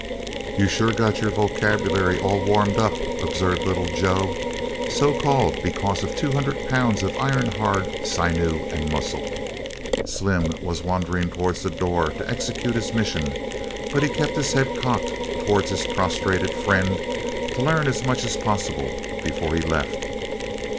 "You sure got your vocabulary all warmed up," observed Little Joe, so called because of two hundred pounds of iron hard sinew and muscle. Slim was wandering towards the door to execute his mission, but he kept his head cocked towards his prostrated friend to learn as much as possible before he left.